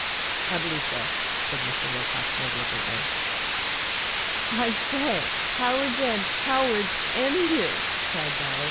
"I believe so," said Mr. Wilcox negligently. "I say! Howards End Howard's Ended!" cried Dolly.